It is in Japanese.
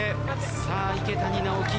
さあ池谷直樹